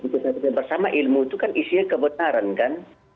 nah seperti tadi bersama ilmu itu kan isinya kebenaran kan